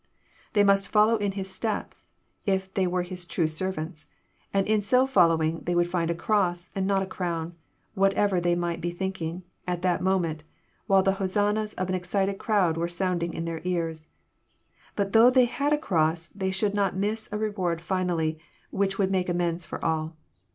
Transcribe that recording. They must fol low in His steps if they were his true servants, and in so follow ing they would find a cross, and not a crown, whatever they might be thinking, at that moment, while the hosannas of an excited crowd were sounding in their ears. But though they had a cross, they should not miss a reward finally, which would make amends for all.